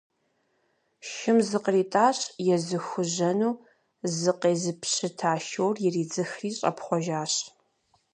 Шым зыкъритӏэщ, езыхужьэну зыкъезыпщыта шур иридзыхри щӏэпхъуэжащ.